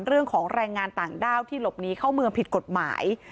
เรื่องของแรงงานต่างด้าวที่หลบหนีเข้าเมืองผิดกฎหมาย